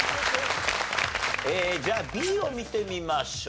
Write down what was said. じゃあＢを見てみましょう。